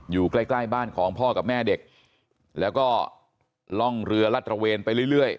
อยู่ใกล้ใกล้บ้านของพ่อกับแม่เด็กแล้วก็ล่องเรือรัดระเวนไปเรื่อย